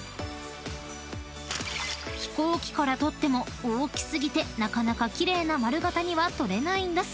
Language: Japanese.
［飛行機から撮っても大き過ぎてなかなか奇麗な丸形には撮れないんだそう］